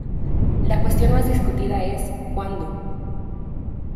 La cuestión más discutida es: ¿cuándo?